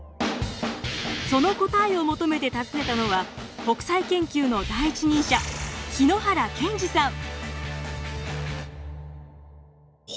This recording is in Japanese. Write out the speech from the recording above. その答えを求めて訪ねたのは北斎研究の第一人者日野原健司さん。